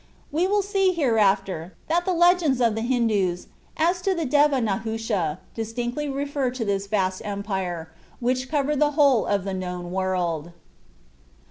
We will see hereafter that the legends of the Hindoos as to Deva Nahusha distinctly refer to this vast empire, which covered the whole of the known world.